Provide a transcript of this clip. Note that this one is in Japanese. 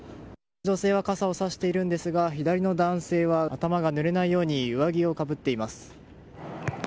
女性は傘をさしているんですが左の男性は頭がぬれないように上着をかぶっています。